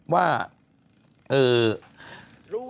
ว่าเออ